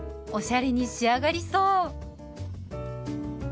おしゃれに仕上がりそう！